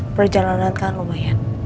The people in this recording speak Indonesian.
perjalanan kan lumayan